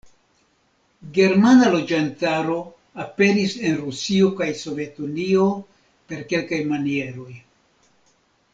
Germana loĝantaro aperis en Rusio kaj Sovetunio per kelkaj manieroj.